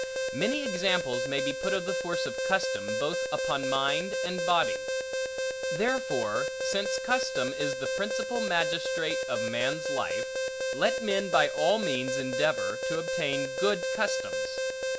Many examples may be put of the force of custom, both upon mind and body. Therefore, since custom is the principal magistrate of man's life, let men by all means endeavor, to obtain good customs.